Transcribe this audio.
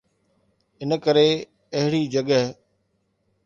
ان ڪري اهڙي جڳهه